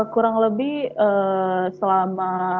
kurang lebih selama